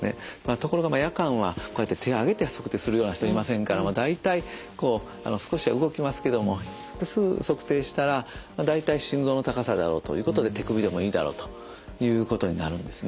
ところが夜間はこうやって手上げて測定するような人はいませんから大体こう少しは動きますけども複数測定したら大体心臓の高さだろうということで手首でもいいだろうということになるんですね。